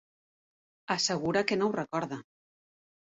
Assegura que no ho recorda.